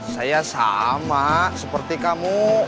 saya sama seperti kamu